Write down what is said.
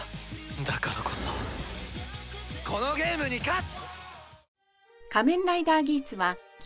だからこそこのゲームに勝つ！